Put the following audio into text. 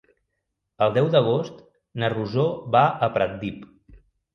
El deu d'agost na Rosó va a Pratdip.